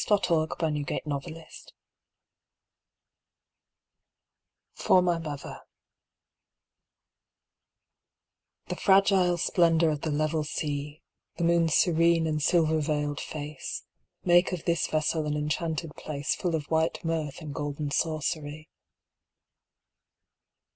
Mid ocean in War time (For My Mother) The fragile splendour of the level sea, The moon's serene and silver veiled face, Make of this vessel an enchanted place Full of white mirth and golden sorcery.